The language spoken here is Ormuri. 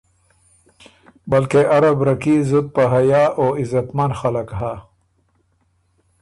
بلکې ارّه برکي زُت په حیا او عزتمن خلق هۀ